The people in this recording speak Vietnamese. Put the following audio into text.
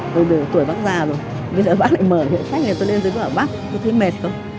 hồi tuổi bác già rồi bây giờ bác lại mở những sách này tôi lên dưới bảo bác thấy mệt không